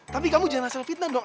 tapi kamu jangan asal fitnah dok